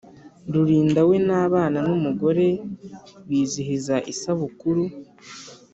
Rulinda we n’abana n’umugore bizihiza isabukuru